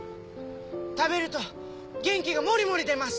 食べると元気がモリモリ出ます。